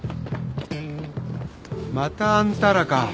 またあんたらか。